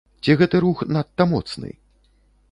Ці гэты рух надта моцны?